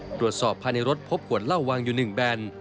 ตรวจสอบภายในรถพบขวดเหล้าวางอยู่๑แบน